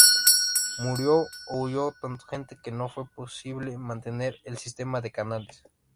Murió o huyó tanta gente que no fue posible mantener el sistema de canales.